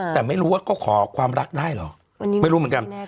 แต่ไม่รู้ว่าก็ขอความรักได้เหรอไม่รู้เหมือนกัน